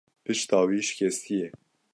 Pişta wî şikestiye.